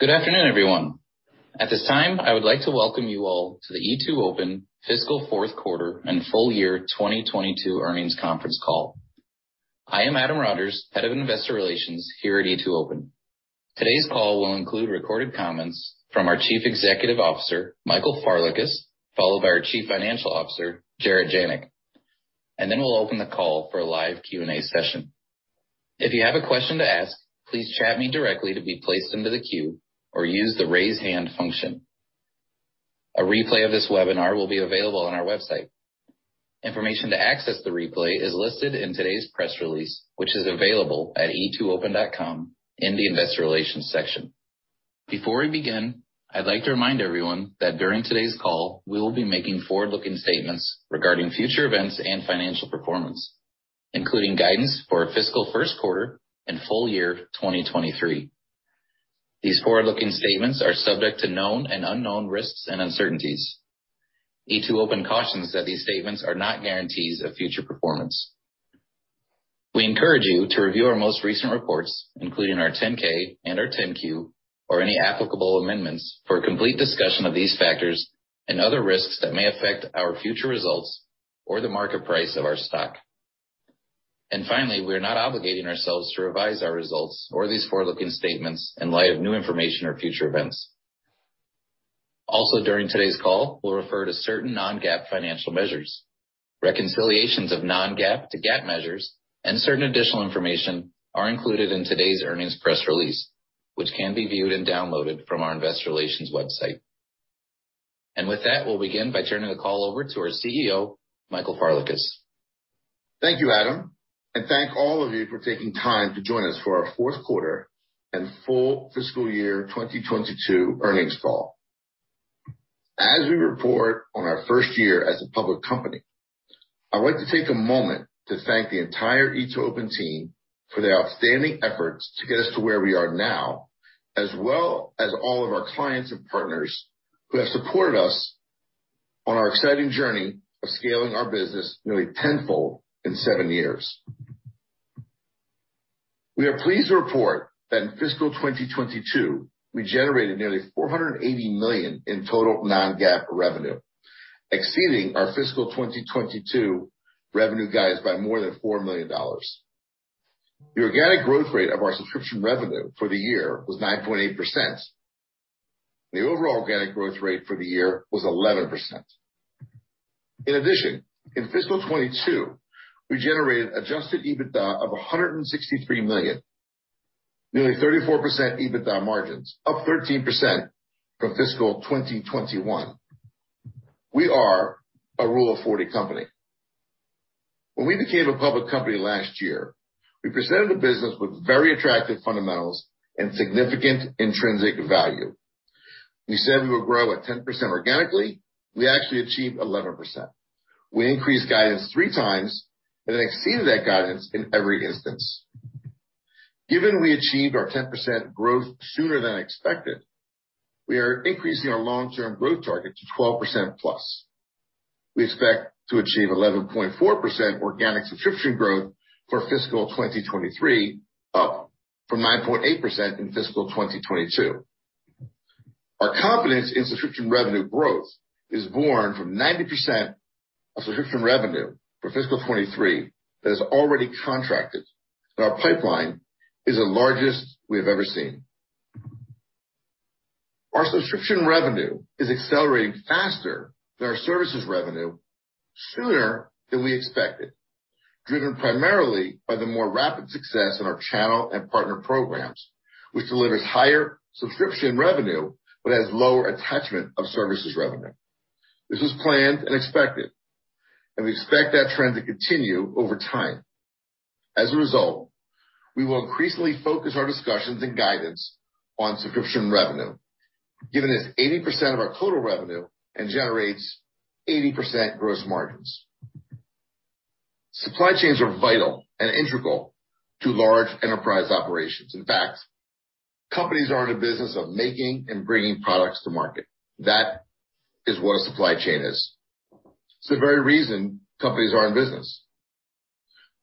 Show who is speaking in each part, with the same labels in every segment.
Speaker 1: Good afternoon, everyone. At this time, I would like to welcome you all to the E2open Fiscal Fourth Quarter and Full Year 2022 Earnings Conference Call. I am Adam Rogers, Head of Investor Relations here at E2open. Today's call will include recorded comments from our Chief Executive Officer, Michael Farlekas, followed by our Chief Financial Officer, Jarett Janik. We'll open the call for a live Q&A session. If you have a question to ask, please chat me directly to be placed into the queue or use the raise hand function. A replay of this webinar will be available on our website. Information to access the replay is listed in today's press release, which is available at e2open.com in the Investor Relations section. Before we begin, I'd like to remind everyone that during today's call, we will be making forward-looking statements regarding future events and financial performance, including guidance for our fiscal first quarter and full year 2023. These forward-looking statements are subject to known and unknown risks and uncertainties. E2open cautions that these statements are not guarantees of future performance. We encourage you to review our most recent reports, including our 10-K and our 10-Q, or any applicable amendments for a complete discussion of these factors and other risks that may affect our future results or the market price of our stock. We are not obligating ourselves to revise our results or these forward-looking statements in light of new information or future events. During today's call, we'll refer to certain non-GAAP financial measures. Reconciliations of non-GAAP to GAAP measures and certain additional information are included in today's earnings press release, which can be viewed and downloaded from our investor relations website. With that, we'll begin by turning the call over to our CEO, Michael Farlekas.
Speaker 2: Thank you, Adam, and thank all of you for taking time to join us for our fourth quarter and full fiscal year 2022 earnings call. As we report on our first year as a public company, I want to take a moment to thank the entire E2open team for their outstanding efforts to get us to where we are now, as well as all of our clients and partners who have supported us on our exciting journey of scaling our business nearly tenfold in seven years. We are pleased to report that in fiscal 2022, we generated nearly $480 million in total non-GAAP revenue, exceeding our fiscal 2022 revenue guidance by more than $4 million. The organic growth rate of our subscription revenue for the year was 9.8%. The overall organic growth rate for the year was 11%. In addition, in fiscal 2022, we generated adjusted EBITDA of $163 million, nearly 34% EBITDA margins, up 13% from fiscal 2021. We are a Rule of 40 company. When we became a public company last year, we presented a business with very attractive fundamentals and significant intrinsic value. We said we would grow at 10% organically. We actually achieved 11%. We increased guidance three times and then exceeded that guidance in every instance. Given we achieved our 10% growth sooner than expected, we are increasing our long-term growth target to 12%+. We expect to achieve 11.4% organic subscription growth for fiscal 2023, up from 9.8% in fiscal 2022. Our confidence in subscription revenue growth is born from 90% of subscription revenue for fiscal 2023 that is already contracted, and our pipeline is the largest we have ever seen. Our subscription revenue is accelerating faster than our services revenue sooner than we expected, driven primarily by the more rapid success in our channel and partner programs, which delivers higher subscription revenue but has lower attachment of services revenue. This was planned and expected, and we expect that trend to continue over time. As a result, we will increasingly focus our discussions and guidance on subscription revenue, giving it 80% of our total revenue and generates 80% gross margins. Supply chains are vital and integral to large enterprise operations. In fact, companies are in the business of making and bringing products to market. That is what a supply chain is. It's the very reason companies are in business.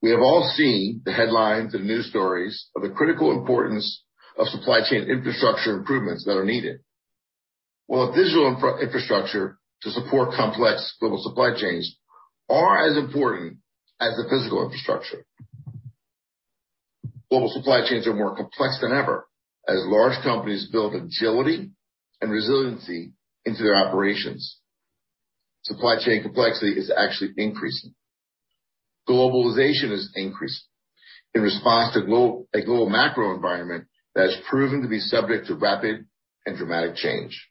Speaker 2: We have all seen the headlines and news stories of the critical importance of supply chain infrastructure improvements that are needed. Well, a digital infrastructure to support complex global supply chains are as important as the physical infrastructure. Global supply chains are more complex than ever. As large companies build agility and resiliency into their operations, supply chain complexity is actually increasing. Globalization is increasing in response to a global macro environment that has proven to be subject to rapid and dramatic change.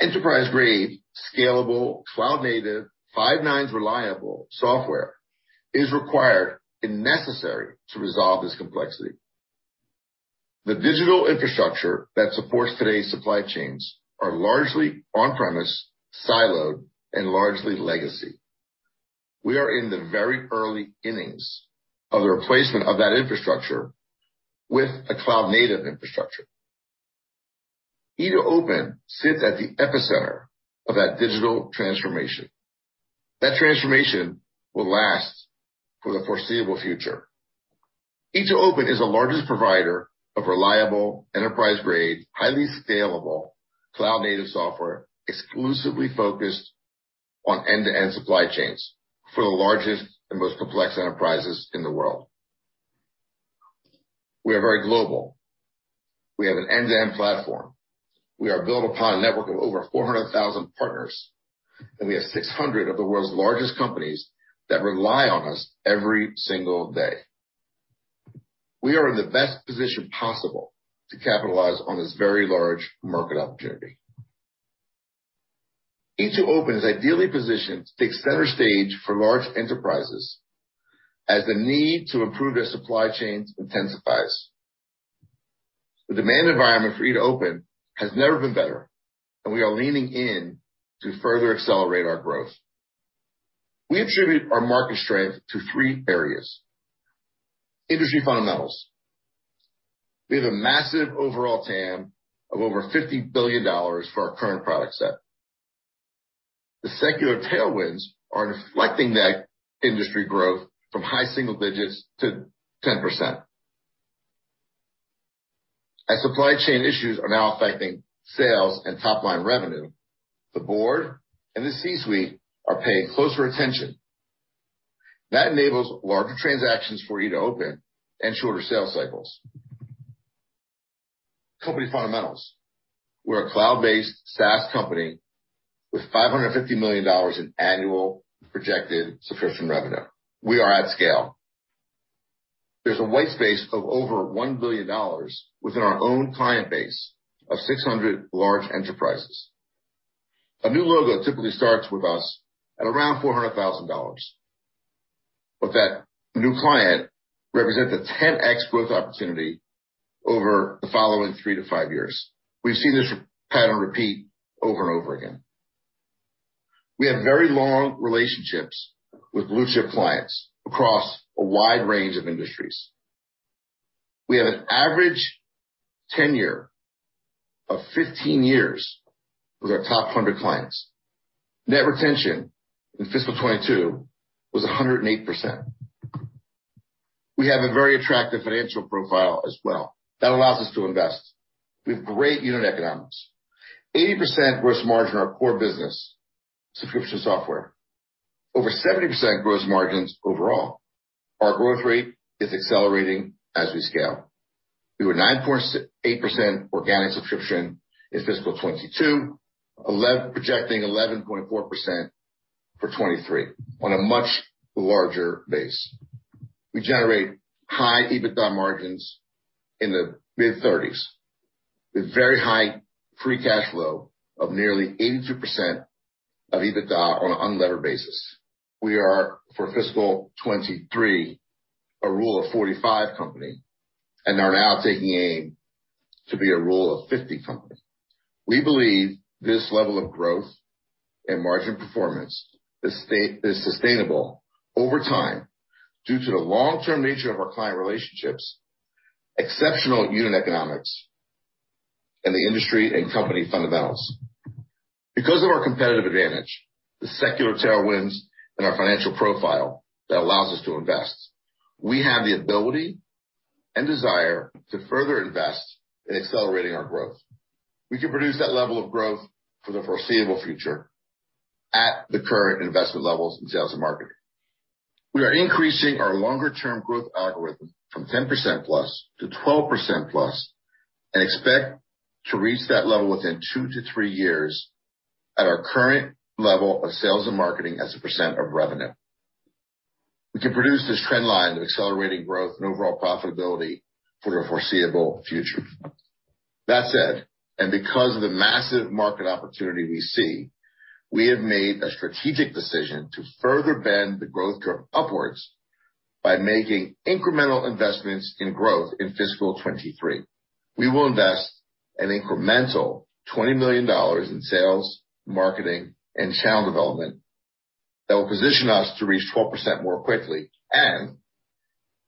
Speaker 2: Enterprise-grade, scalable, cloud-native, five-nines reliable software is required and necessary to resolve this complexity. The digital infrastructure that supports today's supply chains are largely on-premise, siloed, and largely legacy. We are in the very early innings of the replacement of that infrastructure with a cloud-native infrastructure. E2open sits at the epicenter of that digital transformation. That transformation will last for the foreseeable future. E2open is the largest provider of reliable enterprise-grade, highly scalable cloud native software, exclusively focused on end-to-end supply chains for the largest and most complex enterprises in the world. We are very global. We have an end-to-end platform. We are built upon a network of over 400,000 partners, and we have 600 of the world's largest companies that rely on us every single day. We are in the best position possible to capitalize on this very large market opportunity. E2open is ideally positioned to take center stage for large enterprises as the need to improve their supply chains intensifies. The demand environment for E2open has never been better, and we are leaning in to further accelerate our growth. We attribute our market strength to three areas. Industry fundamentals. We have a massive overall TAM of over $50 billion for our current product set. The secular tailwinds are deflecting that industry growth from high single digits to 10%. As supply chain issues are now affecting sales and top line revenue, the board and the C-suite are paying closer attention. That enables larger transactions for E2open and shorter sales cycles. Company fundamentals. We're a cloud-based SaaS company with $550 million in annual projected subscription revenue. We are at scale. There's a white space of over $1 billion within our own client base of 600 large enterprises. A new logo typically starts with us at around $400,000, but that new client represents a 10x growth opportunity over the following three to five years. We've seen this pattern repeat over and over again. We have very long relationships with blue chip clients across a wide range of industries. We have an average tenure of 15 years with our top 100 clients. Net retention in fiscal 2022 was 108%. We have a very attractive financial profile as well that allows us to invest. We have great unit economics. 80% gross margin, our core business, subscription software. Over 70% gross margins overall. Our growth rate is accelerating as we scale. We were 9.8% organic subscription in fiscal 2022, projecting 11.4% for 2023 on a much larger base. We generate high EBITDA margins in the mid-30s with very high free cash flow of nearly 82% of EBITDA on an unlevered basis. We are, for fiscal 2023, a Rule of 45 company and are now taking aim to be a Rule of 50 company. We believe this level of growth and margin performance is sustainable over time due to the long-term nature of our client relationships, exceptional unit economics, and the industry and company fundamentals. Because of our competitive advantage, the secular tailwinds, and our financial profile that allows us to invest, we have the ability and desire to further invest in accelerating our growth. We can produce that level of growth for the foreseeable future at the current investment levels in sales and marketing. We are increasing our longer-term growth algorithm from 10%+ to 12%+, and expect to reach that level within two to three years at our current level of sales and marketing as a percent of revenue. We can produce this trend line of accelerating growth and overall profitability for the foreseeable future. That said, and because of the massive market opportunity we see, we have made a strategic decision to further bend the growth curve upwards by making incremental investments in growth in fiscal 2023. We will invest an incremental $20 million in sales, marketing, and channel development that will position us to reach 12% more quickly and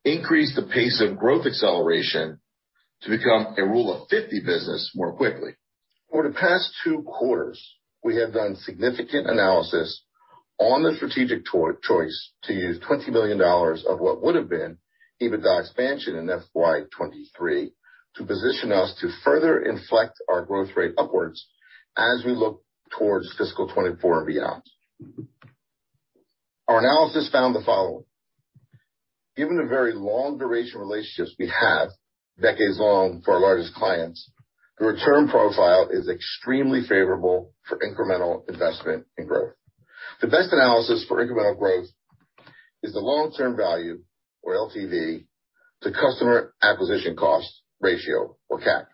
Speaker 2: increase the pace of growth acceleration to become a rule of fifty business more quickly. Over the past two quarters, we have done significant analysis on the strategic choice to use $20 million of what would have been EBITDA expansion in FY 2023 to position us to further inflect our growth rate upwards as we look towards fiscal 2024 and beyond. Our analysis found the following. Given the very long duration relationships we have, decades long for our largest clients, the return profile is extremely favorable for incremental investment in growth. The best analysis for incremental growth is the long-term value, or LTV, to customer acquisition cost ratio or CAC.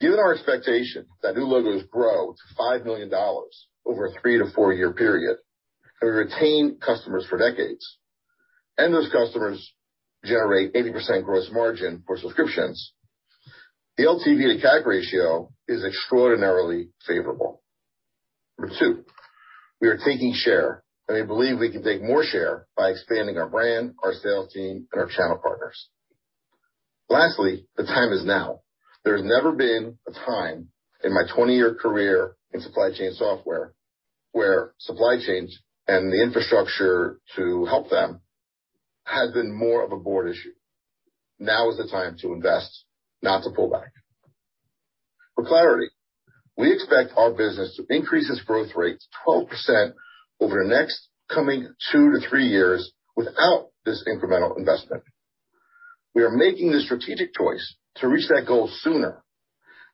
Speaker 2: Given our expectation that new logos grow to $5 million over a three to four-year period, and we retain customers for decades, and those customers generate 80% gross margin for subscriptions, the LTV to CAC ratio is extraordinarily favorable. Number two, we are taking share, and we believe we can take more share by expanding our brand, our sales team, and our channel partners. Lastly, the time is now. There's never been a time in my 20-year career in supply chain software where supply chains and the infrastructure to help them has been more of a board issue. Now is the time to invest, not to pull back. For clarity, we expect our business to increase its growth rates 12% over the next coming two to three years without this incremental investment. We are making the strategic choice to reach that goal sooner,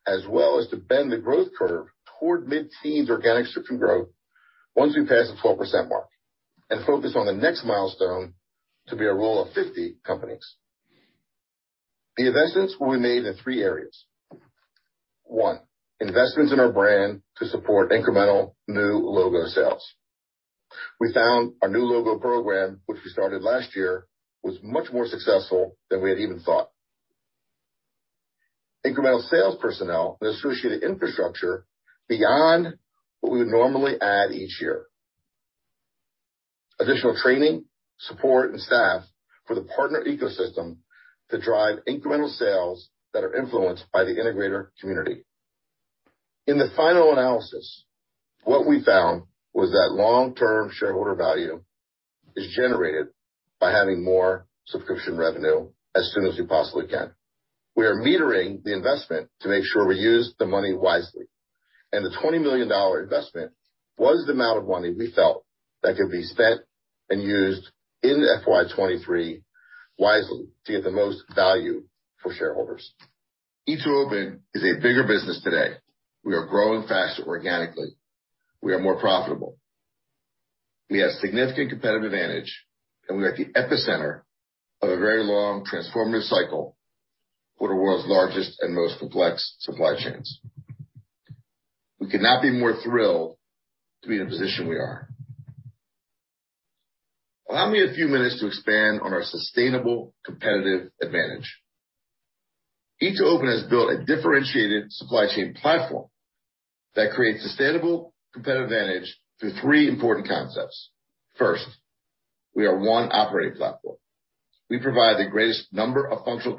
Speaker 2: as well as to bend the growth curve toward mid-teens organic subscription growth once we pass the 12% mark and focus on the next milestone to be a Rule of 50 companies. The investments will be made in three areas. One, investments in our brand to support incremental new logo sales. We found our new logo program, which we started last year, was much more successful than we had even thought. Incremental sales personnel and associated infrastructure beyond what we would normally add each year. Additional training, support and staff for the partner ecosystem to drive incremental sales that are influenced by the integrator community. In the final analysis, what we found was that long-term shareholder value is generated by having more subscription revenue as soon as we possibly can. We are metering the investment to make sure we use the money wisely, and the $20 million investment was the amount of money we felt that could be spent and used in FY 2023 wisely to get the most value for shareholders. E2open is a bigger business today. We are growing faster organically. We are more profitable. We have significant competitive advantage, and we are at the epicenter of a very long transformative cycle for the world's largest and most complex supply chains. We could not be more thrilled to be in the position we are. Allow me a few minutes to expand on our sustainable competitive advantage. E2open has built a differentiated supply chain platform that creates sustainable competitive advantage through three important concepts. First, we are one operating platform. We provide the greatest number of functional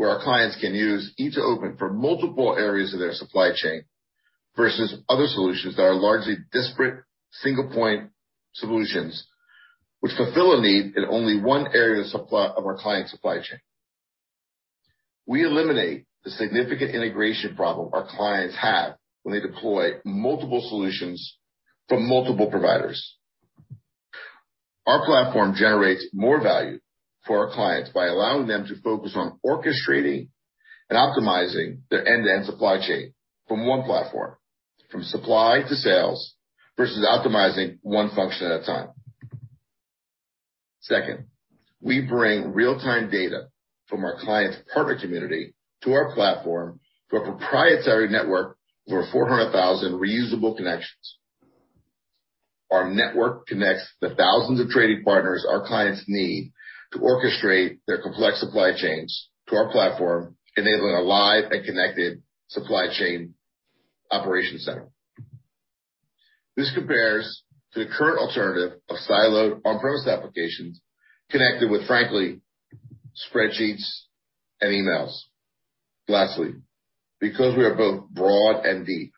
Speaker 2: capabilities where our clients can use E2open for multiple areas of their supply chain versus other solutions that are largely disparate single point solutions which fulfill a need in only one area of our client supply chain. We eliminate the significant integration problem our clients have when they deploy multiple solutions from multiple providers. Our platform generates more value for our clients by allowing them to focus on orchestrating and optimizing their end-to-end supply chain from one platform, from supply to sales, versus optimizing one function at a time. Second, we bring real-time data from our clients partner community to our platform through a proprietary network over 400,000 reusable connections. Our network connects the thousands of trading partners our clients need to orchestrate their complex supply chains to our platform, enabling a live and connected supply chain operation center. This compares to the current alternative of siloed on-premise applications connected with, frankly, spreadsheets and emails. Lastly, because we are both broad and deep,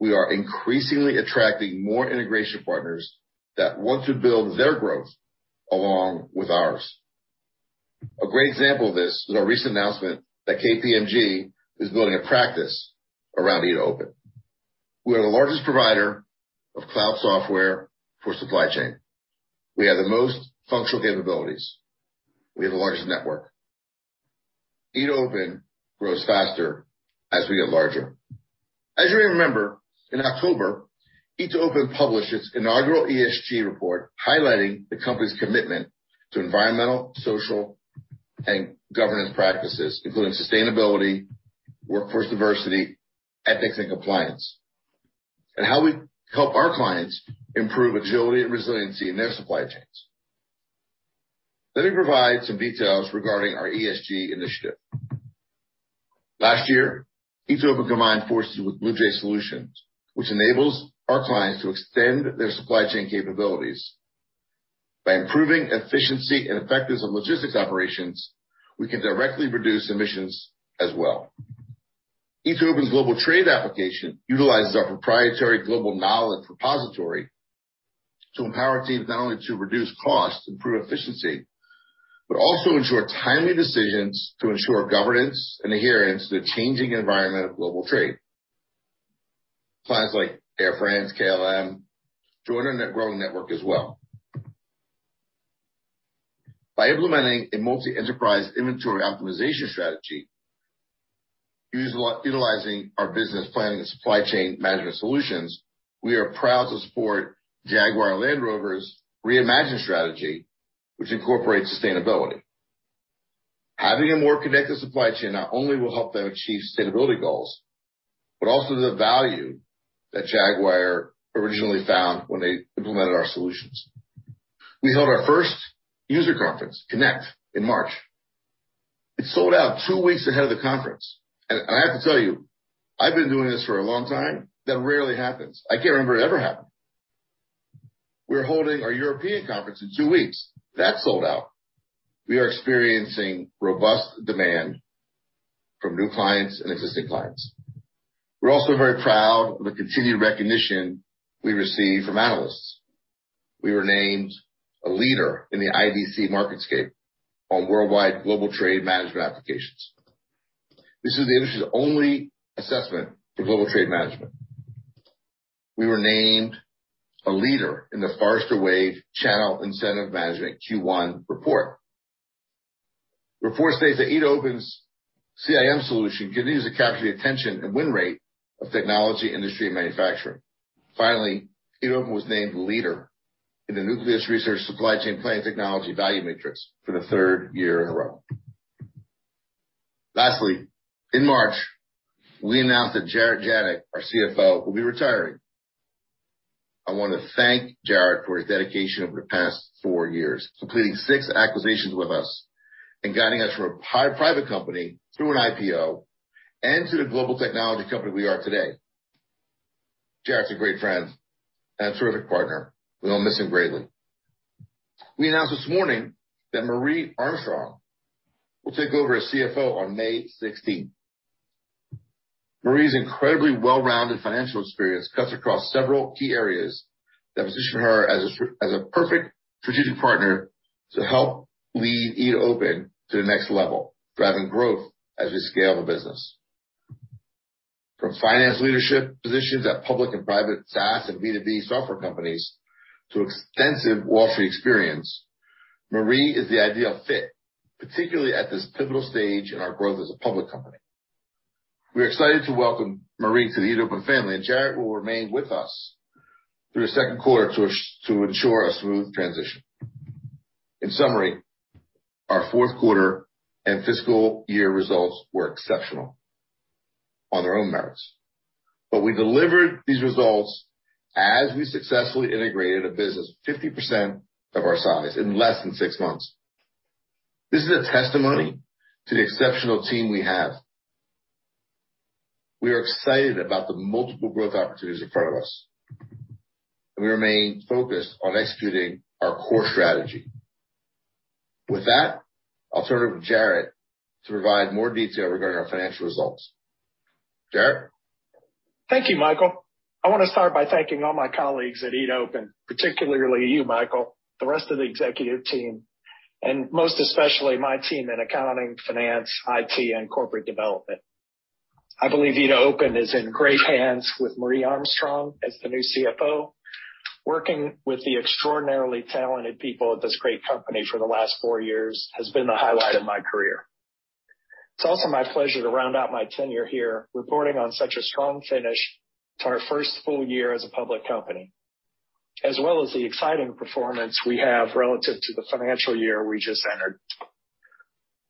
Speaker 2: we are increasingly attracting more integration partners that want to build their growth along with ours. A great example of this is our recent announcement that KPMG is building a practice around E2open. We are the largest provider of cloud software for supply chain. We have the most functional capabilities. We have the largest network. E2open grows faster as we get larger. As you may remember, in October, E2open published its inaugural ESG report highlighting the company's commitment to environmental, social, and governance practices, including sustainability, workforce diversity, ethics, and compliance, and how we help our clients improve agility and resiliency in their supply chains. Let me provide some details regarding our ESG initiative. Last year, E2open combined forces with BluJay Solutions, which enables our clients to extend their supply chain capabilities. By improving efficiency and effectiveness of logistics operations, we can directly reduce emissions as well. E2open's global trade application utilizes our proprietary global knowledge repository to empower teams not only to reduce costs, improve efficiency, but also ensure timely decisions to ensure governance and adherence to the changing environment of global trade. Clients like Air France, KLM join our ever-growing network as well. By implementing a multi-enterprise inventory optimization strategy, utilizing our business planning and supply chain management solutions, we are proud to support Jaguar Land Rover's Reimagine strategy, which incorporates sustainability. Having a more connected supply chain not only will help them achieve sustainability goals, but also the value that Jaguar originally found when they implemented our solutions. We held our first user conference, Connect, in March. It sold out two weeks ahead of the conference. I have to tell you, I've been doing this for a long time, that rarely happens. I can't remember it ever happening. We're holding our European conference in two weeks. That's sold out. We are experiencing robust demand from new clients and existing clients. We're also very proud of the continued recognition we receive from analysts. We were named a leader in the IDC MarketScape on worldwide global trade management applications. This is the industry's only assessment for global trade management. We were named a leader in the Forrester Wave, Channel Incentive Management Q1 report. Report states that E2open's CIM solution continues to capture the attention and win rate of technology, industry, and manufacturing. Finally, E2open was named leader in the Nucleus Research Supply Chain Planning Technology Value Matrix for the third year in a row. Lastly, in March, we announced that Jarett Janik, our CFO, will be retiring. I wanna thank Jarett for his dedication over the past four years, completing six acquisitions with us and guiding us from a private company through an IPO and to the global technology company we are today. Jarett's a great friend and a terrific partner. We will miss him greatly. We announced this morning that Marje Armstrong will take over as CFO on May 16th. Marje's incredibly well-rounded financial experience cuts across several key areas that position her as a perfect strategic partner to help lead E2open to the next level, driving growth as we scale the business. From finance leadership positions at public and private SaaS and B2B software companies to extensive Wall Street experience, Marje is the ideal fit, particularly at this pivotal stage in our growth as a public company. We are excited to welcome Marje to the E2open family, and Jarett will remain with us through the second quarter to ensure a smooth transition. In summary, our fourth quarter and fiscal year results were exceptional on their own merits, but we delivered these results as we successfully integrated a business 50% of our size in less than six months. This is a testimony to the exceptional team we have. We are excited about the multiple growth opportunities in front of us, and we remain focused on executing our core strategy. With that, I'll turn it over to Jarett to provide more detail regarding our financial results. Jarett?
Speaker 3: Thank you, Michael. I wanna start by thanking all my colleagues at E2open, particularly you, Michael, the rest of the executive team, and most especially my team in accounting, finance, IT, and corporate development. I believe E2open is in great hands with Marje Armstrong as the new CFO. Working with the extraordinarily talented people at this great company for the last four years has been the highlight of my career. It's also my pleasure to round out my tenure here, reporting on such a strong finish to our first full year as a public company, as well as the exciting performance we have relative to the financial year we just entered.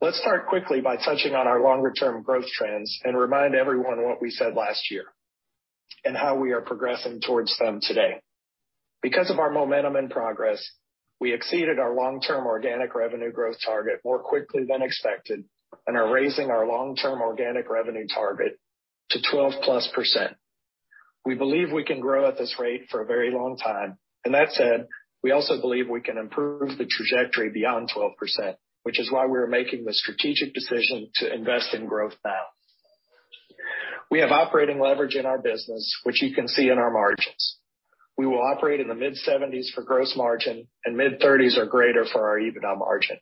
Speaker 3: Let's start quickly by touching on our longer-term growth trends and remind everyone what we said last year and how we are progressing towards them today. Because of our momentum and progress, we exceeded our long-term organic revenue growth target more quickly than expected and are raising our long-term organic revenue target to 12%+. We believe we can grow at this rate for a very long time. That said, we also believe we can improve the trajectory beyond 12%, which is why we are making the strategic decision to invest in growth now. We have operating leverage in our business, which you can see in our margins. We will operate in the mid-70s% for gross margin and mid-30s% or greater for our EBITDA margin.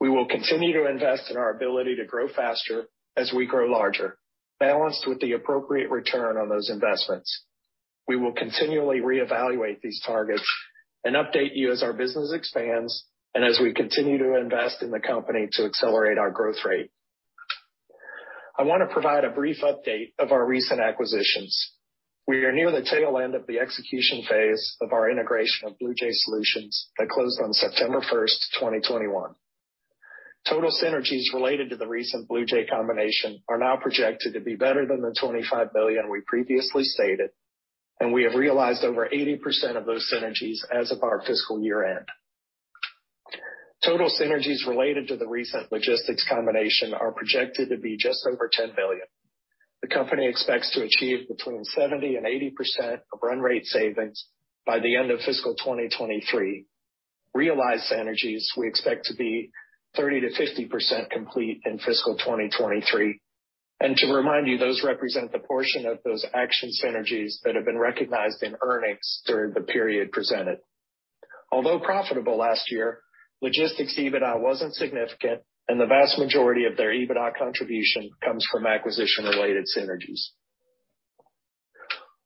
Speaker 3: We will continue to invest in our ability to grow faster as we grow larger, balanced with the appropriate return on those investments. We will continually reevaluate these targets and update you as our business expands and as we continue to invest in the company to accelerate our growth rate. I wanna provide a brief update of our recent acquisitions. We are near the tail end of the execution phase of our integration of BluJay Solutions that closed on September 1, 2021. Total synergies related to the recent BluJay combination are now projected to be better than the $25 million we previously stated, and we have realized over 80% of those synergies as of our fiscal year-end. Total synergies related to the recent logistics combination are projected to be just over $10 million. The company expects to achieve between 70% and 80% of run rate savings by the end of fiscal 2023. Realized synergies we expect to be 30%-50% complete in fiscal 2023. To remind you, those represent the portion of those acquisition synergies that have been recognized in earnings during the period presented. Although profitable last year, logistics EBITDA wasn't significant, and the vast majority of their EBITDA contribution comes from acquisition-related synergies.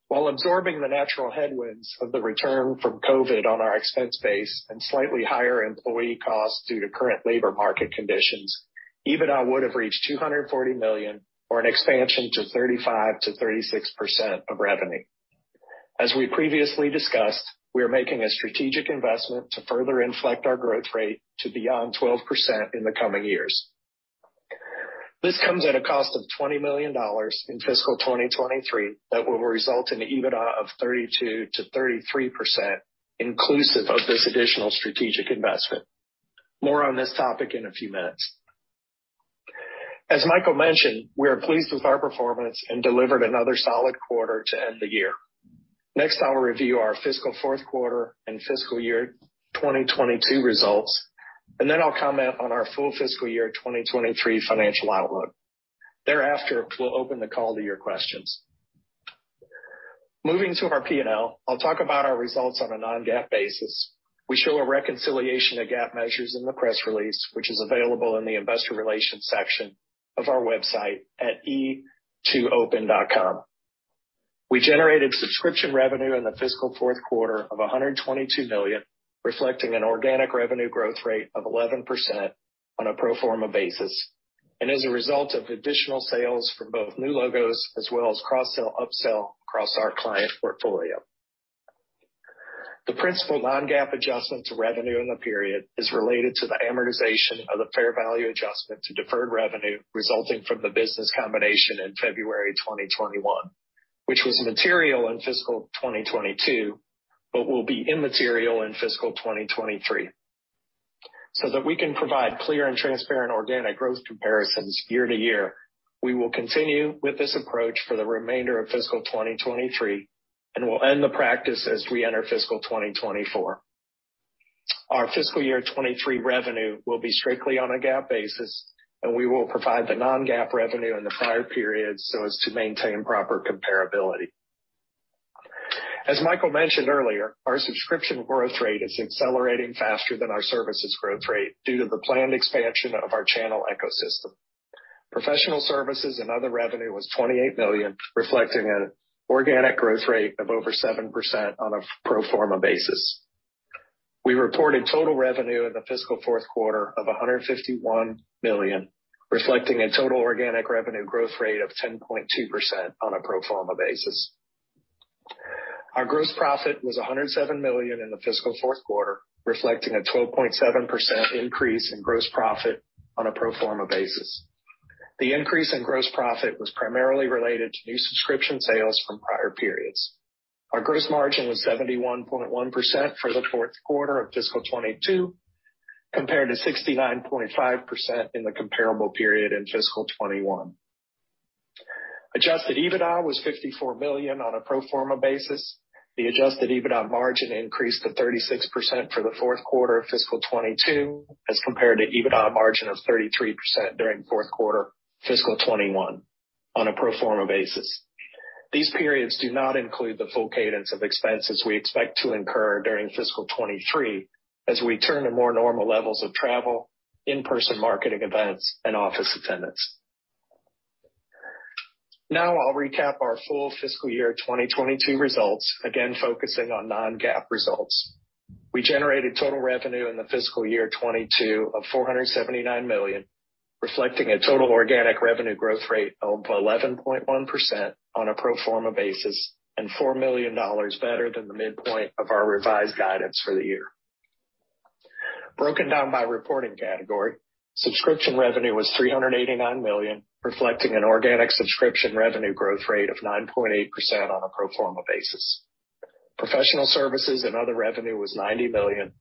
Speaker 3: While absorbing the natural headwinds of the return from COVID on our expense base and slightly higher employee costs due to current labor market conditions, EBITDA would have reached $240 million, or an expansion to 35%-36% of revenue. As we previously discussed, we are making a strategic investment to further inflect our growth rate to beyond 12% in the coming years. This comes at a cost of $20 million in fiscal 2023 that will result in EBITDA of 32%-33% inclusive of this additional strategic investment. More on this topic in a few minutes. As Michael mentioned, we are pleased with our performance and delivered another solid quarter to end the year. Next, I'll review our fiscal fourth quarter and fiscal year 2022 results, and then I'll comment on our full fiscal year 2023 financial outlook. Thereafter, we'll open the call to your questions. Moving to our P&L, I'll talk about our results on a non-GAAP basis. We show a reconciliation of GAAP measures in the press release, which is available in the investor relations section of our website at e2open.com. We generated subscription revenue in the fiscal fourth quarter of $122 million, reflecting an organic revenue growth rate of 11% on a pro forma basis, and as a result of additional sales from both new logos as well as cross-sell/upsell across our client portfolio. The principal non-GAAP adjustment to revenue in the period is related to the amortization of the fair value adjustment to deferred revenue resulting from the business combination in February 2021, which was material in fiscal 2022, but will be immaterial in fiscal 2023. That we can provide clear and transparent organic growth comparisons year to year, we will continue with this approach for the remainder of fiscal 2023 and will end the practice as we enter fiscal 2024. Our fiscal year 2023 revenue will be strictly on a GAAP basis, and we will provide the non-GAAP revenue in the prior periods so as to maintain proper comparability. As Michael mentioned earlier, our subscription growth rate is accelerating faster than our services growth rate due to the planned expansion of our channel ecosystem. Professional services and other revenue was $28 million, reflecting an organic growth rate of over 7% on a pro forma basis. We reported total revenue in the fiscal fourth quarter of $151 million, reflecting a total organic revenue growth rate of 10.2% on a pro forma basis. Our gross profit was $107 million in the fiscal fourth quarter, reflecting a 12.7% increase in gross profit on a pro forma basis. The increase in gross profit was primarily related to new subscription sales from prior periods. Our gross margin was 71.1% for the fourth quarter of fiscal 2022, compared to 69.5% in the comparable period in fiscal 2021. Adjusted EBITDA was $54 million on a pro forma basis. The adjusted EBITDA margin increased to 36% for the fourth quarter of fiscal 2022, as compared to EBITDA margin of 33% during fourth quarter fiscal 2021 on a pro forma basis. These periods do not include the full cadence of expenses we expect to incur during fiscal 2023 as we turn to more normal levels of travel, in-person marketing events and office attendance. Now I'll recap our full fiscal year 2022 results, again focusing on non-GAAP results. We generated total revenue in the fiscal year 2022 of $479 million, reflecting a total organic revenue growth rate of 11.1% on a pro forma basis and $4 million better than the midpoint of our revised guidance for the year. Broken down by reporting category, subscription revenue was $389 million, reflecting an organic subscription revenue growth rate of 9.8% on a pro forma basis. Professional services and other revenue was $90 million,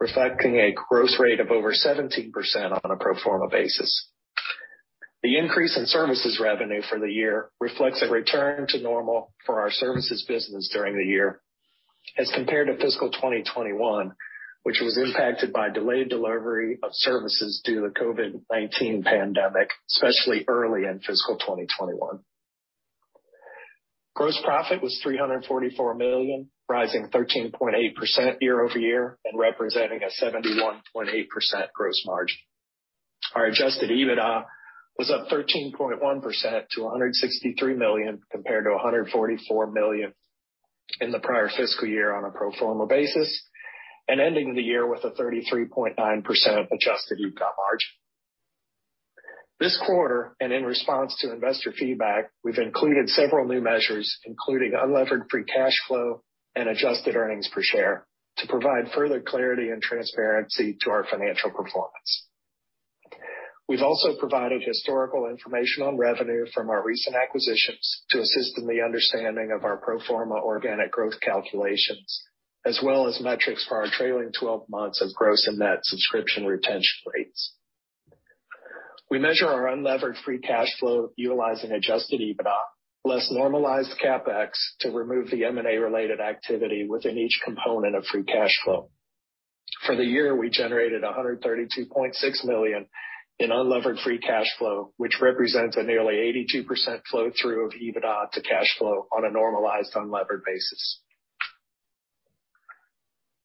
Speaker 3: reflecting a gross rate of over 17% on a pro forma basis. The increase in services revenue for the year reflects a return to normal for our services business during the year as compared to fiscal 2021, which was impacted by delayed delivery of services due to COVID-19 pandemic, especially early in fiscal 2021. Gross profit was $344 million, rising 13.8% year-over-year, and representing a 71.8% gross margin. Our adjusted EBITDA was up 13.1% to $163 million, compared to $144 million in the prior fiscal year on a pro forma basis, and ending the year with a 33.9% adjusted EBITDA margin. This quarter, and in response to investor feedback, we've included several new measures, including unlevered free cash flow and adjusted earnings per share to provide further clarity and transparency to our financial performance. We've also provided historical information on revenue from our recent acquisitions to assist in the understanding of our pro forma organic growth calculations, as well as metrics for our trailing twelve months of gross and net subscription retention rates. We measure our unlevered free cash flow utilizing adjusted EBITDA, less normalized CapEx to remove the M&A-related activity within each component of free cash flow. For the year, we generated $132.6 million in unlevered free cash flow, which represents a nearly 82% flow through of EBITDA to cash flow on a normalized unlevered basis.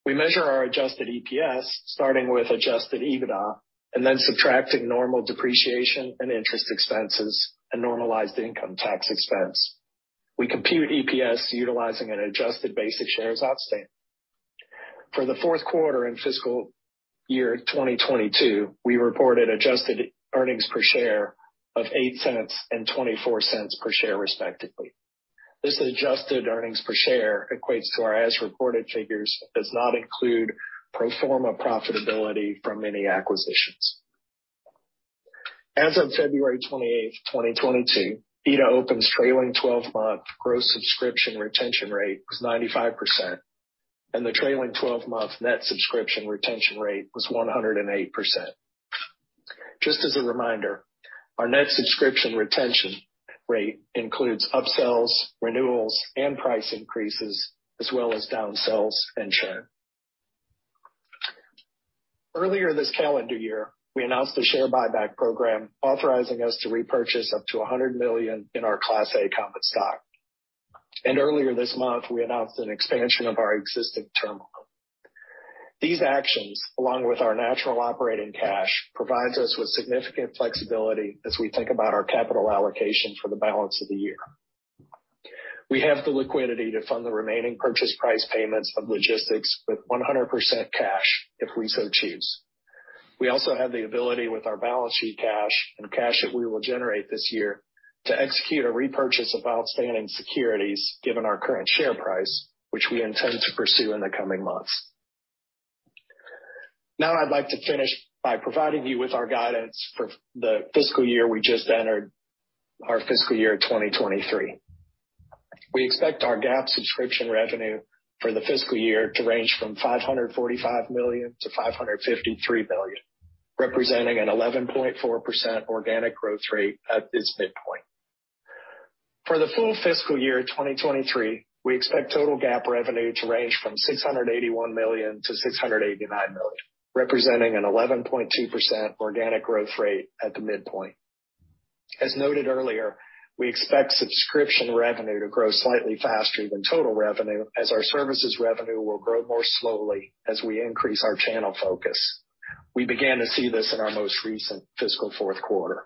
Speaker 3: We measure our adjusted EPS starting with adjusted EBITDA and then subtracting normal depreciation and interest expenses and normalized income tax expense. We compute EPS utilizing an adjusted basic shares outstanding. For the fourth quarter and fiscal year 2022, we reported adjusted earnings per share of $0.08 and $0.24 per share, respectively. This adjusted earnings per share equates to our as-reported figures, does not include pro forma profitability from any acquisitions. As of February 28, 2022, E2open's trailing twelve-month gross subscription retention rate was 95%, and the trailing twelve-month net subscription retention rate was 108%. Just as a reminder, our net subscription retention rate includes upsells, renewals, and price increases as well as downsells and churn. Earlier this calendar year, we announced a share buyback program authorizing us to repurchase up to $100 million in our Class A common stock. Earlier this month, we announced an expansion of our existing term. These actions, along with our natural operating cash, provides us with significant flexibility as we think about our capital allocation for the balance of the year. We have the liquidity to fund the remaining purchase price payments of logistics with 100% cash if we so choose. We also have the ability with our balance sheet cash and cash that we will generate this year to execute a repurchase of outstanding securities given our current share price, which we intend to pursue in the coming months. Now I'd like to finish by providing you with our guidance for the fiscal year we just entered, our fiscal year 2023. We expect our GAAP subscription revenue for the fiscal year to range from $545 million-$553 million, representing an 11.4% organic growth rate at this midpoint. For the full fiscal year 2023, we expect total GAAP revenue to range from $681 million to $689 million, representing an 11.2% organic growth rate at the midpoint. As noted earlier, we expect subscription revenue to grow slightly faster than total revenue as our services revenue will grow more slowly as we increase our channel focus. We began to see this in our most recent fiscal fourth quarter.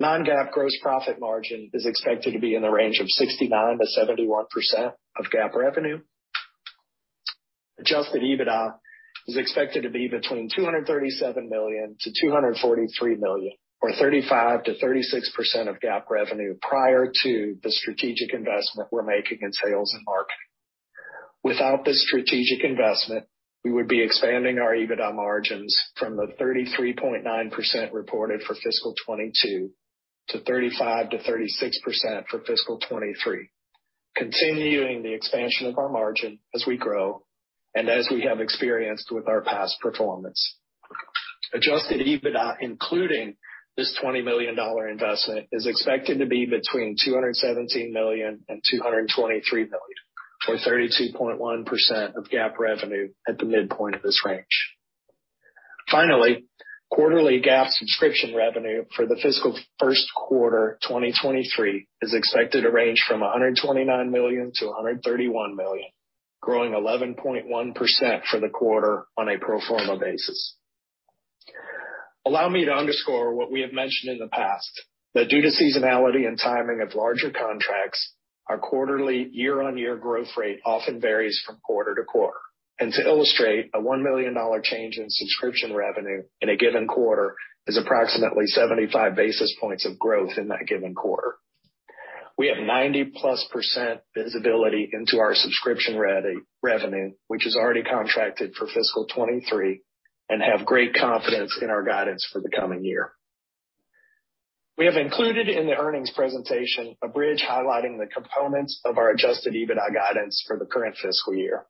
Speaker 3: Non-GAAP gross profit margin is expected to be in the range of 69%-71% of GAAP revenue. Adjusted EBITDA is expected to be between $237 million-$243 million, or 35%-36% of GAAP revenue prior to the strategic investment we're making in sales and marketing. Without this strategic investment, we would be expanding our EBITDA margins from the 33.9% reported for fiscal 2022 to 35%-36% for fiscal 2023, continuing the expansion of our margin as we grow and as we have experienced with our past performance. Adjusted EBITDA, including this $20 million investment, is expected to be between $217 million and $223 million, or 32.1% of GAAP revenue at the midpoint of this range. Finally, quarterly GAAP subscription revenue for the fiscal first quarter 2023 is expected to range from $129 million to $131 million, growing 11.1% for the quarter on a pro forma basis. Allow me to underscore what we have mentioned in the past, that due to seasonality and timing of larger contracts, our quarterly year-on-year growth rate often varies from quarter to quarter. To illustrate, a $1 million change in subscription revenue in a given quarter is approximately 75 basis points of growth in that given quarter. We have 90+% visibility into our subscription revenue, which is already contracted for fiscal 2023, and have great confidence in our guidance for the coming year. We have included in the earnings presentation a bridge highlighting the components of our adjusted EBITDA guidance for the current fiscal year.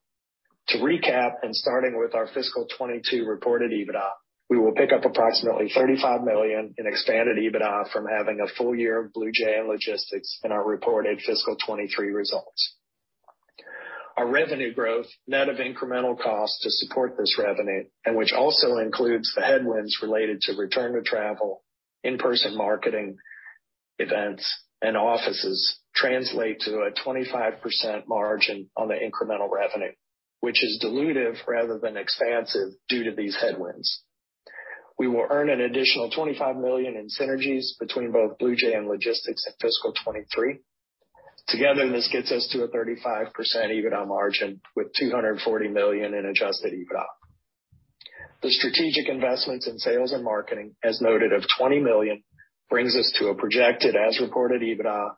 Speaker 3: To recap, starting with our fiscal 2022 reported EBITDA, we will pick up approximately $35 million in expanded EBITDA from having a full year of BluJay and Logistics in our reported fiscal 2023 results. Our revenue growth, net of incremental cost to support this revenue, and which also includes the headwinds related to return to travel, in-person marketing, events, and offices, translate to a 25% margin on the incremental revenue, which is dilutive rather than expansive due to these headwinds. We will earn an additional $25 million in synergies between both BluJay and Logistics in fiscal 2023. Together, this gets us to a 35% EBITDA margin with $240 million in adjusted EBITDA. The strategic investments in sales and marketing, as noted of $20 million, brings us to a projected as-reported EBITDA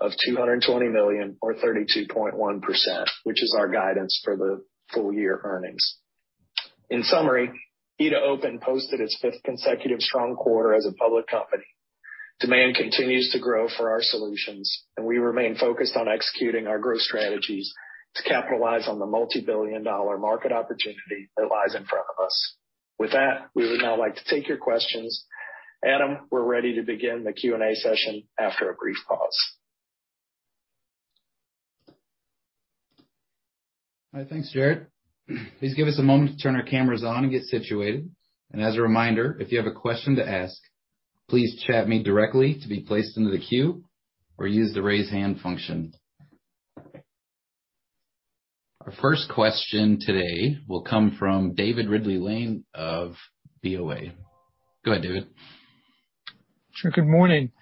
Speaker 3: of $220 million or 32.1%, which is our guidance for the full year earnings. In summary, E2open posted its fifth consecutive strong quarter as a public company. Demand continues to grow for our solutions, and we remain focused on executing our growth strategies to capitalize on the multi-billion dollar market opportunity that lies in front of us. With that, we would now like to take your questions. Adam, we're ready to begin the Q&A session after a brief pause.
Speaker 1: All right. Thanks, Jarett. Please give us a moment to turn our cameras on and get situated. As a reminder, if you have a question to ask, please chat me directly to be placed into the queue or use the Raise Hand function. Our first question today will come from David Ridley-Lane of BOA. Go ahead, David.
Speaker 4: Sure. Good morning,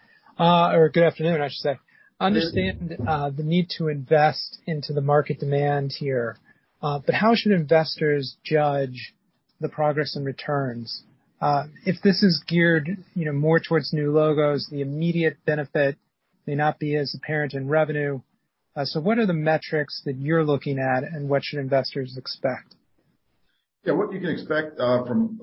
Speaker 4: or good afternoon, I should say. Understanding the need to invest into the market demand here, but how should investors judge? The progress in returns. If this is geared, you know, more towards new logos, the immediate benefit may not be as apparent in revenue. What are the metrics that you're looking at, and what should investors expect?
Speaker 2: Yeah. What you can expect from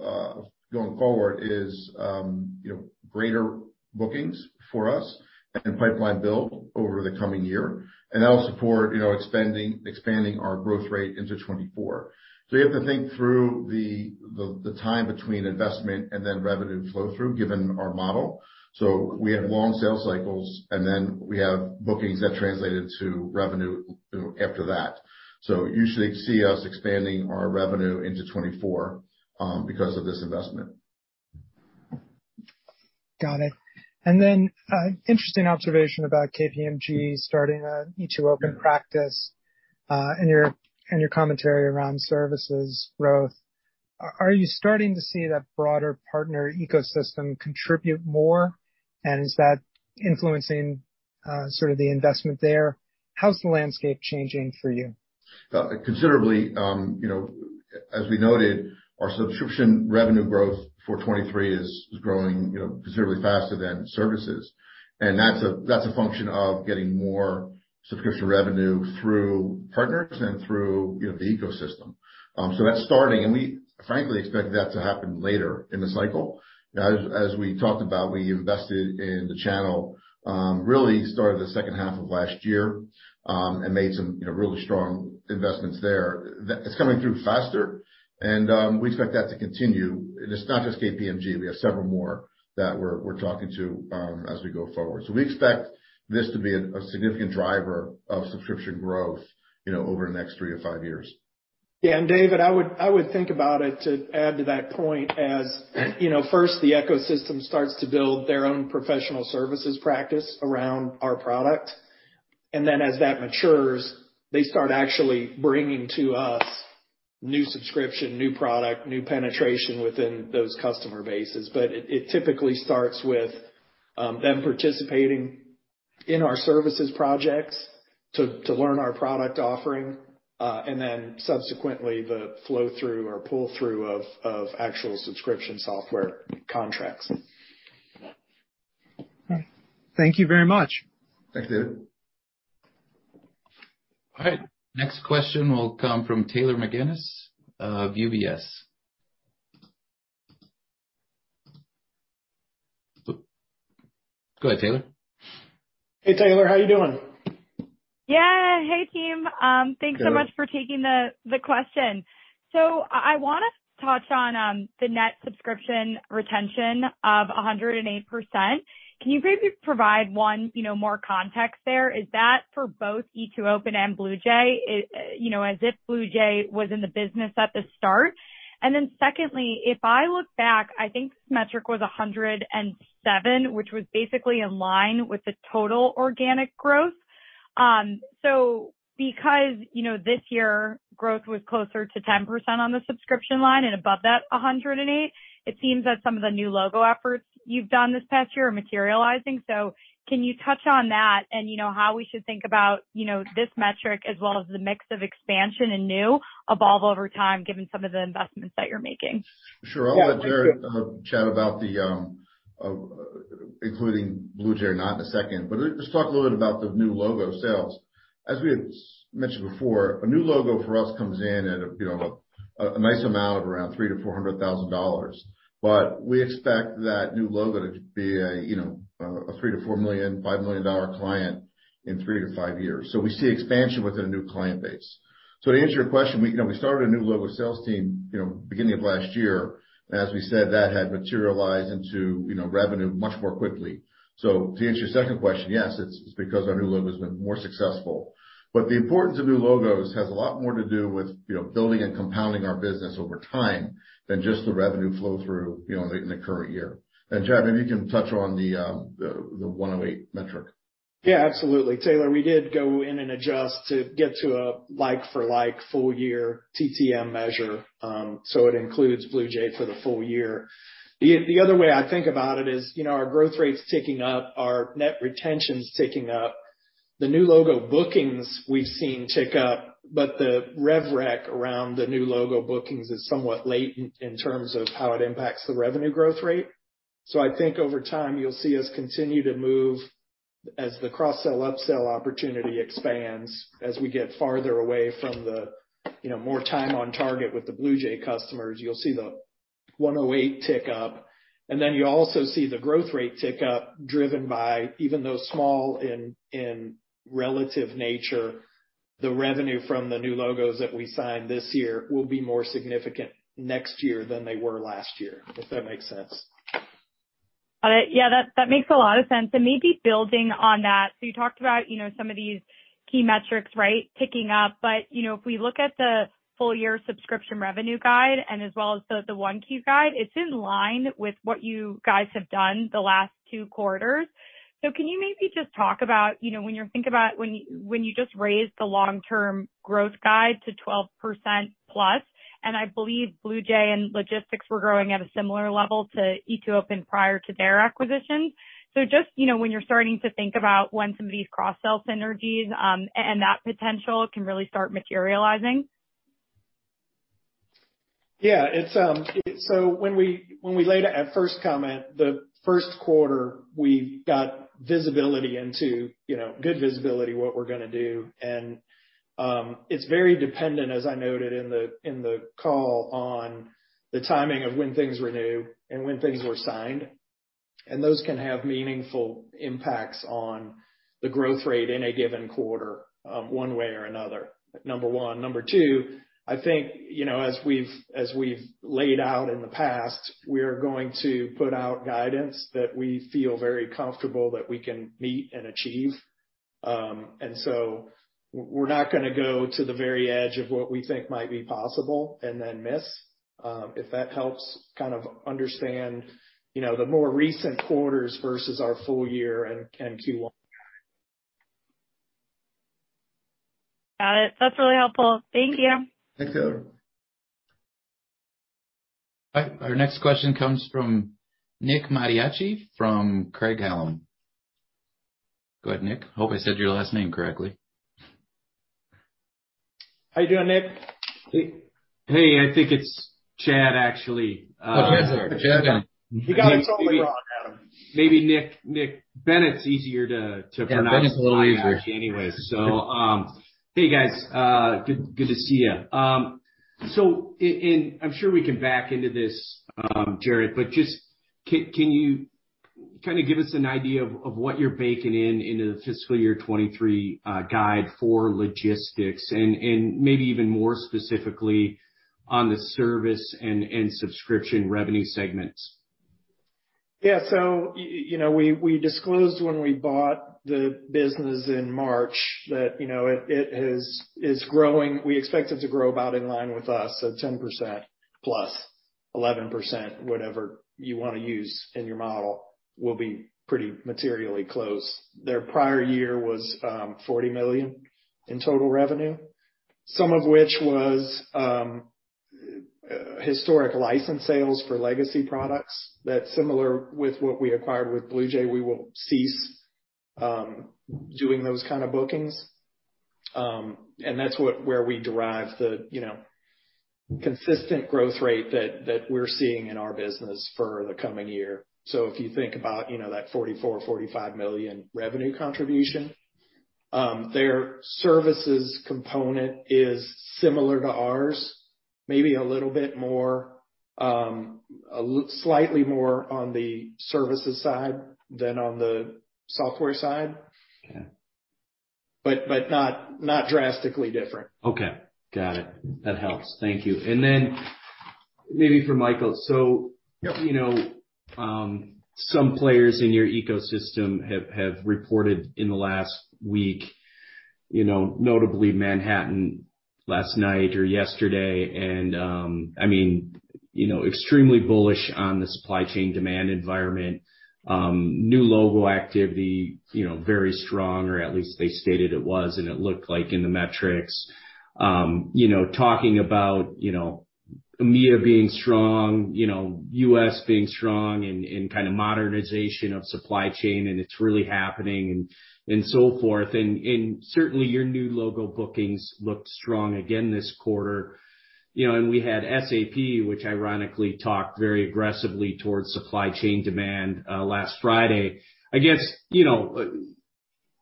Speaker 2: going forward is, you know, greater bookings for us and pipeline build over the coming year. That'll support, you know, expanding our growth rate into 2024. You have to think through the time between investment and then revenue flow through given our model. We have long sales cycles, and then we have bookings that translated to revenue through after that. You should see us expanding our revenue into 2024 because of this investment.
Speaker 4: Got it. Interesting observation about KPMG starting an E2open practice, and your commentary around services growth. Are you starting to see that broader partner ecosystem contribute more, and is that influencing sort of the investment there? How's the landscape changing for you?
Speaker 2: Considerably, you know, as we noted, our subscription revenue growth for 2023 is growing, you know, considerably faster than services. That's a function of getting more subscription revenue through partners and through, you know, the ecosystem. That's starting, and we frankly expected that to happen later in the cycle. As we talked about, we invested in the channel, really started the second half of last year, and made some, you know, really strong investments there. That is coming through faster, and we expect that to continue. It's not just KPMG. We have several more that we're talking to as we go forward. We expect this to be a significant driver of subscription growth, you know, over the next three to five years.
Speaker 3: Yeah. David, I would think about it, to add to that point, as you know, first, the ecosystem starts to build their own professional services practice around our product. Then as that matures, they start actually bringing to us new subscription, new product, new penetration within those customer bases. But it typically starts with them participating in our services projects to learn our product offering, and then subsequently the flow through or pull through of actual subscription software contracts.
Speaker 4: Okay. Thank you very much.
Speaker 2: Thanks, David.
Speaker 1: All right. Next question will come from Taylor McGinnis, of UBS. Go ahead, Taylor.
Speaker 3: Hey, Taylor. How you doing?
Speaker 5: Yeah. Hey, team. Thanks so much for taking the question. I wanna touch on the net subscription retention of 108%. Can you maybe provide one, you know, more context there? Is that for both E2open and BluJay? Is, you know, as if BluJay was in the business at the start? And then secondly, if I look back, I think this metric was 107, which was basically in line with the total organic growth. Because, you know, this year growth was closer to 10% on the subscription line and above that 108, it seems that some of the new logo efforts you've done this past year are materializing. Can you touch on that and, you know, how we should think about, you know, this metric as well as the mix of expansion and new logo over time given some of the investments that you're making?
Speaker 2: Sure. I'll let Jarett chat about the including BluJay not in a second, but let's talk a little bit about the new logo sales. As we had mentioned before, a new logo for us comes in at a you know a nice amount of around $300,000-$400,000. We expect that new logo to be a you know a $3-$4 million, $5 million dollar client in three to five years. We see expansion within a new client base. To answer your question, we you know we started a new logo sales team you know beginning of last year. As we said, that had materialized into you know revenue much more quickly. To answer your second question, yes, it's it's because our new logo's been more successful. The importance of new logos has a lot more to do with, you know, building and compounding our business over time than just the revenue flow through, you know, in the current year. Jarett, maybe you can touch on the 108 metric.
Speaker 3: Yeah, absolutely. Taylor, we did go in and adjust to get to a like for like full year TTM measure, so it includes BluJay for the full year. The other way I think about it is, you know, our growth rate's ticking up, our net retention's ticking up. The new logo bookings we've seen tick up, but the rev rec around the new logo bookings is somewhat latent in terms of how it impacts the revenue growth rate. I think over time, you'll see us continue to move as the cross-sell, up-sell opportunity expands, as we get farther away from the, you know, more time on target with the BluJay customers, you'll see the 108% tick up. You also see the growth rate tick up, driven by even though small in relative nature, the revenue from the new logos that we signed this year will be more significant next year than they were last year, if that makes sense.
Speaker 5: Got it. Yeah, that makes a lot of sense. Maybe building on that, you talked about, you know, some of these key metrics, right, ticking up. You know, if we look at the full year subscription revenue guide and as well as the ACV guide, it's in line with what you guys have done the last two quarters. Can you maybe just talk about, you know, when you're thinking about when you just raised the long-term growth guide to 12%+, and I believe BluJay and Logistics were growing at a similar level to E2open prior to their acquisitions. Just, you know, when you're starting to think about when some of these cross-sell synergies and that potential can really start materializing.
Speaker 3: Yeah, it's. When we laid out at first comment, the first quarter, we got visibility into, you know, good visibility what we're gonna do. It's very dependent, as I noted in the call, on the timing of when things renew and when things were signed. Those can have meaningful impacts on the growth rate in a given quarter, one way or another, number one. Number two, I think, you know, as we've laid out in the past, we are going to put out guidance that we feel very comfortable that we can meet and achieve. We're not gonna go to the very edge of what we think might be possible and then miss, if that helps kind of understand, you know, the more recent quarters versus our full year and Q1.
Speaker 5: Got it. That's really helpful. Thank you.
Speaker 3: Thanks, Taylor.
Speaker 1: Our next question comes from Nick Mattiacci from Craig-Hallum. Go ahead, Nick. Hope I said your last name correctly.
Speaker 2: How you doing, Nick?
Speaker 6: Hey, I think it's Chad, actually.
Speaker 3: Oh, Chad. You got it totally wrong, Adam.
Speaker 6: Maybe Nick Bennett's easier to pronounce than Mattiacci anyway.
Speaker 3: Yeah, Bennett's a little easier.
Speaker 6: Hey, guys, good to see you. I'm sure we can back into this, Jarett, but just can you kinda give us an idea of what you're baking into the fiscal year 2023 guide for logistics and maybe even more specifically on the service and subscription revenue segments?
Speaker 3: Yeah. You know, we disclosed when we bought the business in March that, you know, it is growing. We expect it to grow about in line with us. 10% plus 11%, whatever you wanna use in your model will be pretty materially close. Their prior year was $40 million in total revenue, some of which was historic license sales for legacy products that's similar with what we acquired with BluJay. We will cease doing those kind of bookings. That's where we derive the, you know, consistent growth rate that we're seeing in our business for the coming year. If you think about, you know, that $44-$45 million revenue contribution, their services component is similar to ours, maybe a little bit more, slightly more on the services side than on the software side.
Speaker 6: Okay.
Speaker 3: But not drastically different.
Speaker 6: Okay. Got it. That helps. Thank you. Maybe for Michael.
Speaker 2: Yep.
Speaker 6: You know, some players in your ecosystem have reported in the last week, you know, notably Manhattan last night or yesterday. I mean, you know, extremely bullish on the supply chain demand environment, new logo activity, you know, very strong, or at least they stated it was, and it looked like in the metrics, you know, talking about, you know, EMEA being strong, you know, U.S. being strong and kinda modernization of supply chain, and it's really happening and so forth. Certainly, your new logo bookings looked strong again this quarter, you know, and we had SAP, which ironically talked very aggressively towards supply chain demand last Friday. I guess, you know,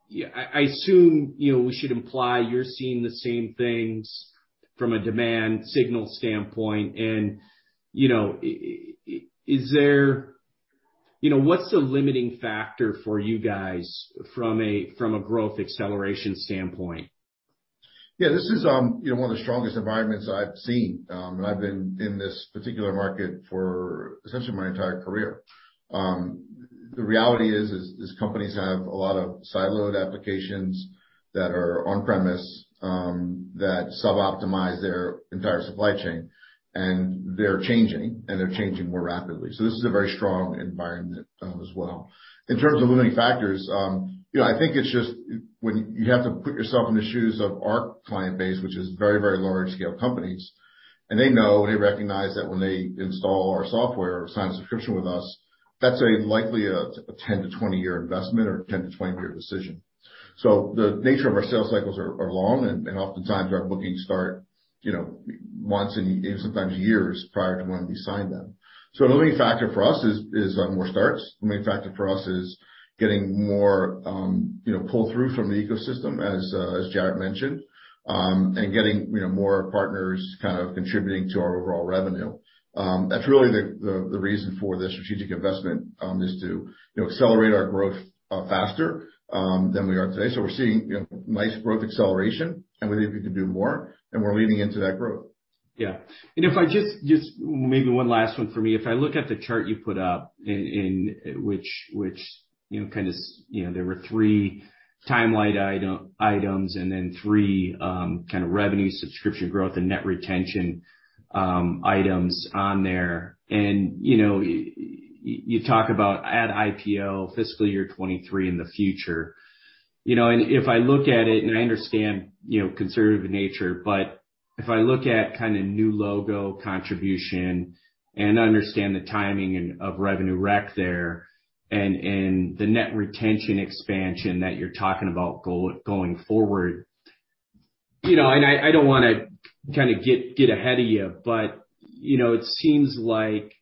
Speaker 6: yeah, I assume, you know, we should imply you're seeing the same things from a demand signal standpoint and, you know, is there. You know, what's the limiting factor for you guys from a growth acceleration standpoint?
Speaker 2: Yeah. This is, you know, one of the strongest environments I've seen, and I've been in this particular market for essentially my entire career. The reality is these companies have a lot of siloed applications that are on-premise that sub-optimize their entire supply chain, and they're changing, and they're changing more rapidly. This is a very strong environment as well. In terms of limiting factors, you know, I think it's just you have to put yourself in the shoes of our client base, which is very, very large-scale companies. They know, they recognize that when they install our software or sign a subscription with us, that's likely a 10-20 year investment or 10-20 year decision. The nature of our sales cycles are long, and oftentimes our bookings start, you know, once, even sometimes years prior to when we sign them. A limiting factor for us is more starts. A limiting factor for us is getting more, you know, pull through from the ecosystem, as Jarett mentioned, and getting, you know, more partners kind of contributing to our overall revenue. That's really the reason for the strategic investment is to, you know, accelerate our growth faster than we are today. We're seeing, you know, nice growth acceleration, and we think we can do more, and we're leaning into that growth.
Speaker 6: Yeah. If I just maybe one last one for me. If I look at the chart you put up in which, you know, kinda you know, there were three timeline items and then three kind of revenue subscription growth and net retention items on there. You know, you talk about at IPO fiscal year 2023 in the future, you know, and if I look at it and I understand, you know, conservative in nature, but if I look at kind of new logo contribution and understand the timing of rev rec there and the net retention expansion that you're talking about going forward. You know, and I don't want to kind of get ahead of you, but, you know, it seems like,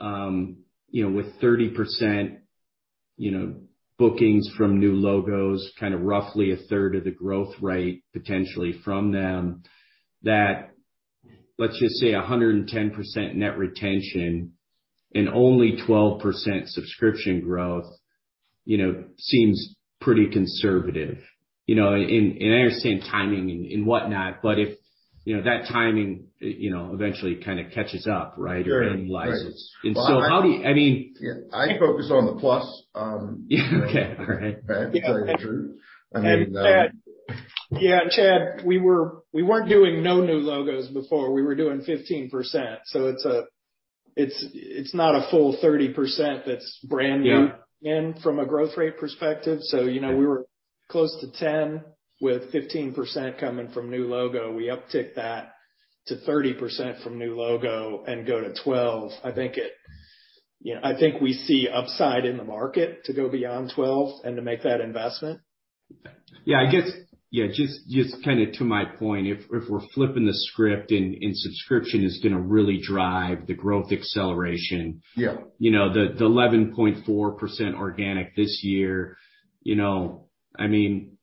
Speaker 6: you know, with 30%, you know, bookings from new logos, kind of roughly a third of the growth rate potentially from them, that let's just say 110% net retention and only 12% subscription growth, you know, seems pretty conservative, you know. I understand timing and whatnot, but if, you know, that timing, you know, eventually kind of catches up, right?
Speaker 2: Right.
Speaker 6: End licenses.
Speaker 2: Right.
Speaker 6: How do you, I mean.
Speaker 2: Yeah, I focus on the plus.
Speaker 6: Yeah. Okay. All right.
Speaker 2: To tell you the truth. I mean,
Speaker 3: Chad, yeah, Chad, we weren't doing no new logos before. We were doing 15%, so it's not a full 30% that's brand new.
Speaker 6: Yeah
Speaker 3: In from a growth rate perspective. You know, we were close to 10%, with 15% coming from new logo. We uptick that to 30% from new logo and go to 12%. I think, you know, we see upside in the market to go beyond 12% and to make that investment.
Speaker 6: Yeah, I guess, yeah, just kinda to my point, if we're flipping the script and subscription is gonna really drive the growth acceleration.
Speaker 2: Yeah
Speaker 6: You know, the 11.4% organic this year, you know. I mean,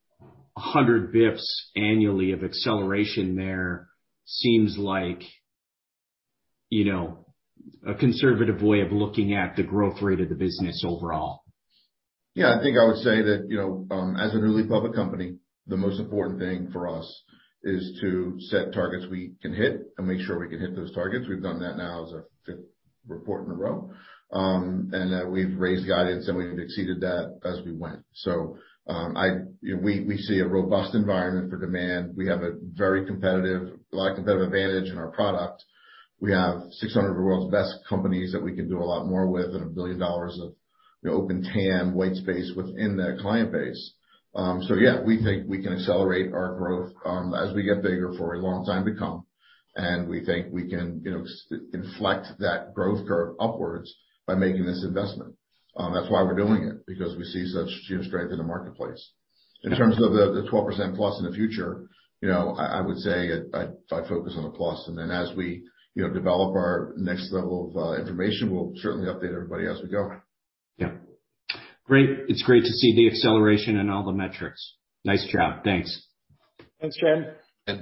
Speaker 6: 100 basis points annually of acceleration there seems like, you know, a conservative way of looking at the growth rate of the business overall.
Speaker 2: Yeah, I think I would say that, you know, as a newly public company, the most important thing for us is to set targets we can hit and make sure we can hit those targets. We've done that now as a fifth quarter in a row, and that we've raised guidance, and we've exceeded that as we went. You know, we see a robust environment for demand. We have a lot of competitive advantage in our product. We have 600 of the world's best companies that we can do a lot more with and $1 billion of, you know, untapped white space within that client base. Yeah, we think we can accelerate our growth as we get bigger for a long time to come, and we think we can, you know, inflect that growth curve upwards by making this investment. That's why we're doing it, because we see such sheer strength in the marketplace. In terms of the 12% plus in the future, you know, I would say I focus on the plus, and then as we, you know, develop our next level of information, we'll certainly update everybody as we go.
Speaker 6: Yeah. Great. It's great to see the acceleration in all the metrics. Nice job. Thanks.
Speaker 3: Thanks, Chad.
Speaker 6: Yep.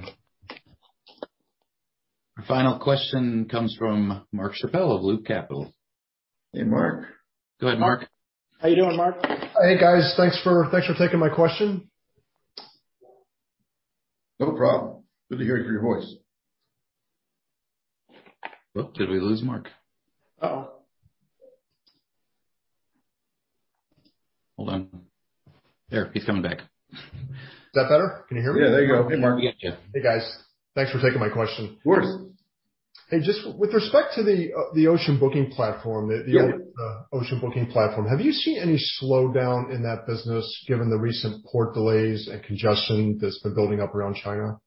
Speaker 1: Our final question comes from Mark Schappel of Loop Capital.
Speaker 2: Hey, Mark.
Speaker 1: Go ahead, Mark.
Speaker 3: How you doing, Mark?
Speaker 7: Hey, guys. Thanks for taking my question.
Speaker 2: No problem. Good to hear your voice.
Speaker 1: Oh, did we lose Mark?
Speaker 3: Uh-oh.
Speaker 1: Hold on. There, he's coming back.
Speaker 7: Is that better? Can you hear me?
Speaker 2: Yeah, there you go.
Speaker 1: We got you.
Speaker 7: Hey, guys. Thanks for taking my question.
Speaker 2: Of course.
Speaker 7: Hey, just with respect to the ocean booking platform.
Speaker 2: Yeah.
Speaker 7: The ocean booking platform, have you seen any slowdown in that business given the recent port delays and congestion that's been building up around China?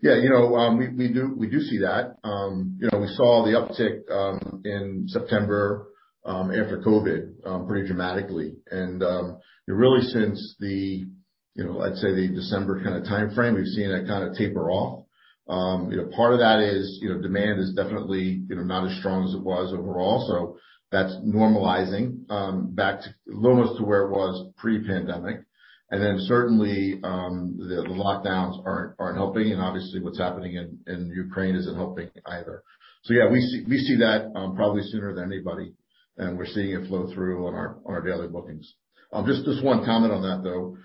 Speaker 2: Yeah, you know, we do see that. You know, we saw the uptick in September after COVID pretty dramatically. You know, really since the, you know, I'd say the December kinda timeframe, we've seen it kinda taper off. You know, part of that is, you know, demand is definitely, you know, not as strong as it was overall, so that's normalizing back to almost to where it was pre-pandemic. Then certainly, the lockdowns aren't helping, and obviously what's happening in Ukraine isn't helping either. Yeah, we see that probably sooner than anybody, and we're seeing it flow through on our daily bookings. Just one comment on that though,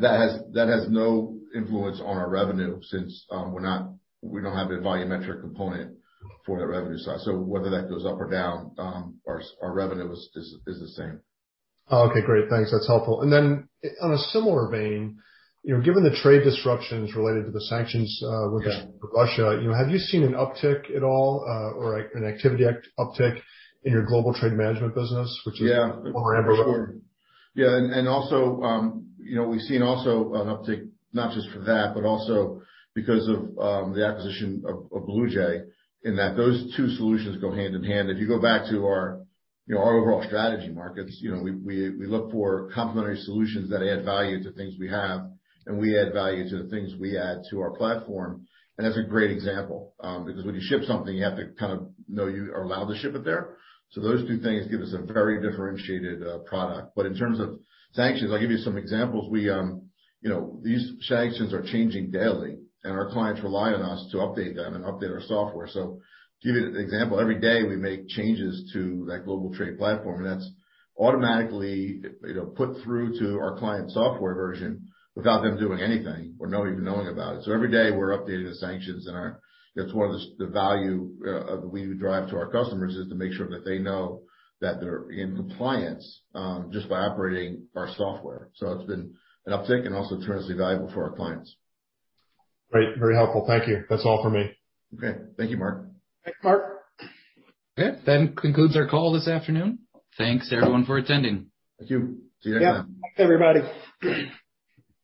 Speaker 2: that has no influence on our revenue since we don't have a volumetric component for the revenue side. Whether that goes up or down, our revenue is the same.
Speaker 7: Oh, okay. Great. Thanks. That's helpful. On a similar vein, you know, given the trade disruptions related to the sanctions with Russia.
Speaker 2: Yeah
Speaker 7: You know, have you seen an uptick at all, or an activity uptick in your global trade management business, which is more relevant?
Speaker 2: We've seen also an uptick not just for that but also because of the acquisition of BluJay, in that those two solutions go hand in hand. If you go back to our you know our overall strategy markets, you know, we look for complementary solutions that add value to things we have, and we add value to the things we add to our platform. That's a great example, because when you ship something, you have to kind of know you are allowed to ship it there. Those two things give us a very differentiated product. In terms of sanctions, I'll give you some examples. These sanctions are changing daily, and our clients rely on us to update them and update our software. Give you an example, every day we make changes to that global trade platform, and that's automatically, you know, put through to our client's software version without them doing anything or even knowing about it. Every day we're updating the sanctions, and that's one of the value we drive to our customers, is to make sure that they know that they're in compliance, just by operating our software. It's been an uptick and also tremendously valuable for our clients.
Speaker 7: Great. Very helpful. Thank you. That's all for me.
Speaker 2: Okay. Thank you, Mark.
Speaker 3: Thanks, Mark.
Speaker 1: Okay. That concludes our call this afternoon. Thanks, everyone, for attending.
Speaker 2: Thank you. See you next time.
Speaker 3: Yeah. Thanks, everybody.